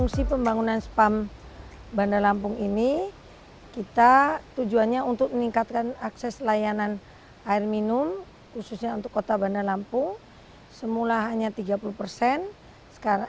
selain bendungan kementrian pupr